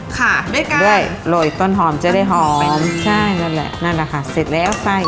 ค่ะด้วยกันด้วยโรยต้นหอมจะได้หอมใช่นั่นแหละนั่นแหละค่ะเสร็จแล้วไส้